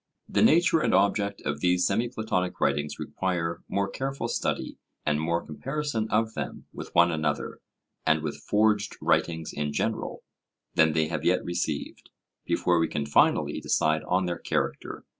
The nature and object of these semi Platonic writings require more careful study and more comparison of them with one another, and with forged writings in general, than they have yet received, before we can finally decide on their character.